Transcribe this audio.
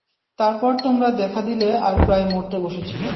তারপর তোমরা দেখা দিলে আর প্রায় মরতে বসেছিলে।